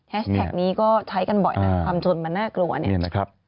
แท็กนี้ก็ใช้กันบ่อยนะความจนมันน่ากลัวเนี่ยนะครับ